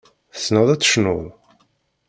Tessneḍ ad tecnuḍ?